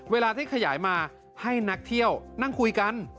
เวลาที่ขยายมาให้นักเที่ยวนั่งคุยกัน